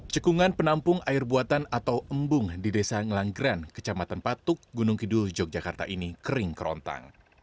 cekungan penampung air buatan atau embung di desa ngelanggeran kecamatan patuk gunung kidul yogyakarta ini kering kerontang